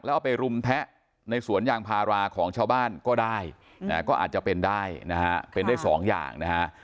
แล้วเอาไปรุมแทะในสวนยางพาราของชาวบ้านก็ได้ก็อาจจะเป็นได้นะฮะเป็นได้สองอย่างนะฮะ